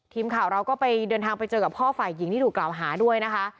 ทีมข่าวเราก็ไปเดินทางไปเจอกับพ่อฝ่ายหญิงที่ถูกกล่าวหาด้วยนะคะ